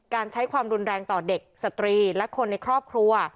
การใช้ความรุนแรงต่อเด็กสตรีและคนในครอบครัว